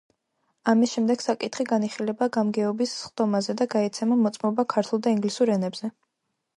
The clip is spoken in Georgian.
ამის შემდეგ საკითხი განიხილება გამგეობის სხდომაზე და გაიცემა მოწმობა ქართულ და ინგლისურ ენებზე.